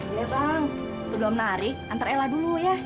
iya bang sebelum narik antar ela dulu ya